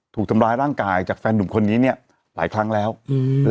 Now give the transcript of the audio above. ถูกทำร้ายร่างกายจากแฟนหนุ่มคนนี้เนี้ยหลายครั้งแล้วอืม